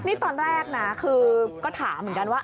นี่ตอนแรกนะคือก็ถามเหมือนกันว่า